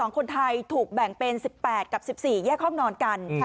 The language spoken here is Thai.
๒คนไทยถูกแบ่งเป็น๑๘กับ๑๔แยกห้องนอนกัน